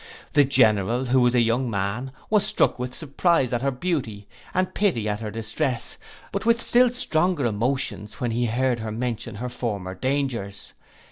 The general, who was a young man, was struck with surprize at her beauty, and pity at her distress; but with still stronger emotions when he heard her mention her former dangers.